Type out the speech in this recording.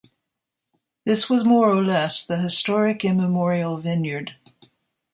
This was more or less the historic, immemorial vineyard.